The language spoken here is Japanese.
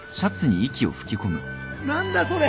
何だそれ。